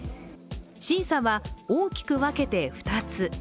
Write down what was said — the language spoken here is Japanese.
審査は大きく分けて２つ。